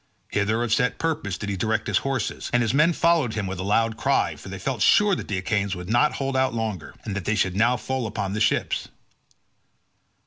Hither of set purpose did he direct his horses, and his men followed him with a loud cry, for they felt sure that the Achaeans would not hold out longer, and that they should now fall upon the ships.